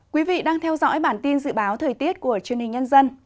quý vị đang theo dõi bản tin dự báo thời tiết của chương trình nhân dân